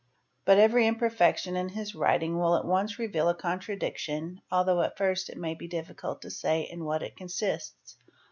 But every imperfection in his writing "will at once reveal a contradiction although at first it may be difficult § to say in what it consists.